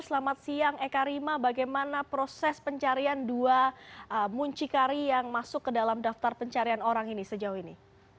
selamat siang eka rima bagaimana proses pencarian dua muncikari yang masuk ke dalam daftar pencarian orang ini sejauh ini